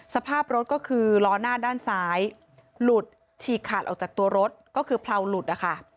สภาพรถก็คือล้อหน้าด้านซ้ายหลุดฉีกขาดออกจากตัวรถก็คือเผลาหลุดนะคะ